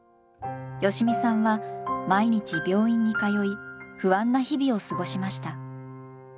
良美さんは毎日病院に通い不安な日々を過ごしました。